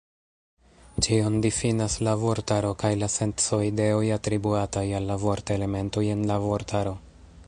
Ĉion difinas la vortaro kaj la senco-ideoj atribuataj al la vort-elementoj en la vortaro.